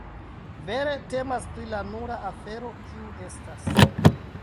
Vere temas pri la nura afero, kiu estas.